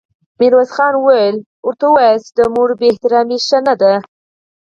ميرويس خان وويل: ورته وواياست چې د مړو بې احترامې ښه نه ده.